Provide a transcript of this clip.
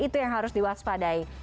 itu yang harus diwaspadai